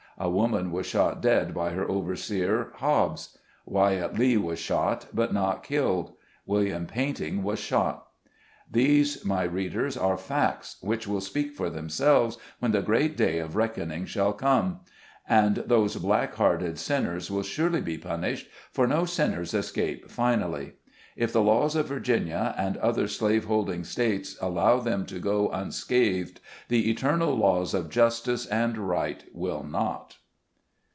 A woman was shot dead by our overseer Hobbs. Wyatt Lee was shot, but not killed. Wil liam Painting was shot. 214 SKETCHES OF SLAVE LIFE. These, my readers, are facts, which will speak for themselves when the great day of reckoning shall come ; and those black hearted sinners will surely be punished, for no sinners escape finally. If the laws of Virginia and other slave holding states allow them to go unscathed, the eternal laws of justice and right will not.